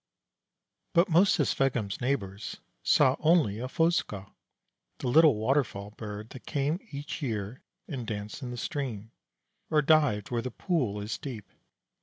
But most of Sveggum's neighbors saw only a Fossekal, the little Waterfall Bird that came each year and danced in the stream, or dived where the pool is deep.